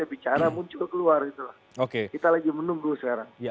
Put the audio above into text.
ya bicara muncul keluar kita lagi menunggu sekarang